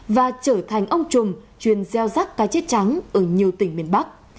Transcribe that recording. và trở thành ông trùm chuyên gieo rắc cái chết trắng ở nhiều tỉnh miền bắc